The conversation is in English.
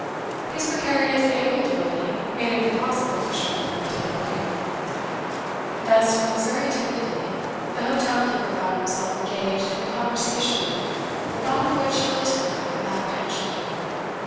His precarious amiability made it impossible for Schomberg to get away. Thus, from his very timidity, the hotel keeper found himself engaged in a conversation the thought of which filled him with apprehension.